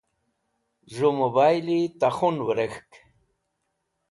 z̃hu mobile ta khun wurek̃hk